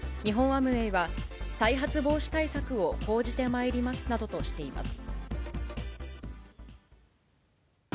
アムウェイは、再発防止対策を講じてまいりますなどとしています。